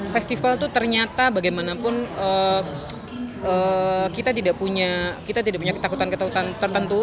festival itu ternyata bagaimanapun kita tidak punya ketakutan ketakutan tertentu